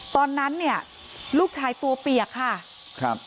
ตอนนั้นลูกชายตัวเปียกค่ะ